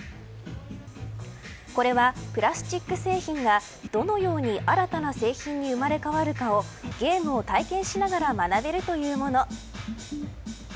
これは、プラスチック製品がどのように新たな製品に生まれ変わるかをゲームを体験しながら学べるというもの。